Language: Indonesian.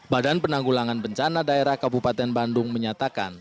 badan penanggulangan bencana daerah kabupaten bandung menyatakan